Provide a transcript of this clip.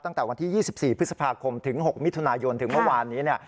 ตั้งแต่วันที่๒๔พฤษภาคมถึง๖มิถุนายนถึงเมื่อวานนี้